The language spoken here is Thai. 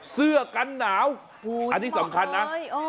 เสื้อกันหนาวอันนี้สำคัญนะ